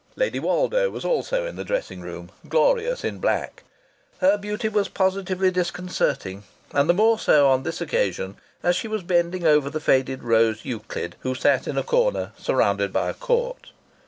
Lady Woldo was also in the dressing room, glorious in black. Her beauty was positively disconcerting, and the more so on this occasion as she was bending over the faded Rose Euclid, who sat in a corner surrounded by a court.